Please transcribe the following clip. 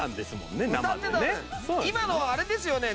今のあれですよね？